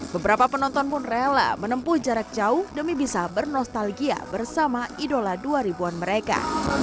beberapa penonton pun rela menempuh jarak jauh demi bisa bernostalgia bersama idola dua ribuan mereka